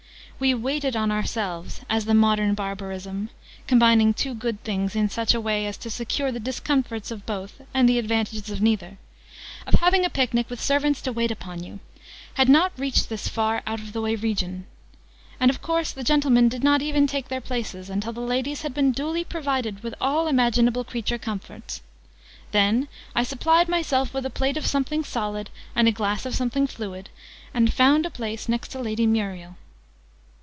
We 'waited' on ourselves, as the modern barbarism (combining two good things in such a way as to secure the discomforts of both and the advantages of neither) of having a picnic with servants to wait upon you, had not yet reached this out of the way region and of course the gentlemen did not even take their places until the ladies had been duly provided with all imaginable creature comforts. Then I supplied myself with a plate of something solid and a glass of something fluid, and found a place next to Lady Muriel.